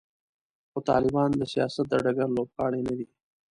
خو طالبان د سیاست د ډګر لوبغاړي نه دي.